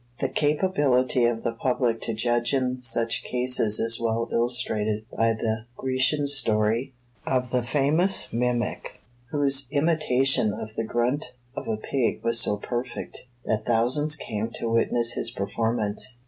The capability of the public to judge in such cases is well illustrated by the Grecian story of the famous mimic, whose imitation of the grunt of a pig was so perfect, that thousands came to witness his performance.